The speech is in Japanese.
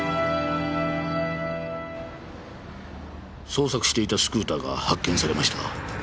捜索していたスクーターが発見されました。